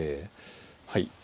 はい。